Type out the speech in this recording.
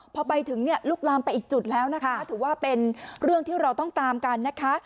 พอไปถึงเนี่ยลุกลามไปอีกจุดแล้วนะคะถือว่าเป็นเรื่องที่เราต้องตามกันนะคะ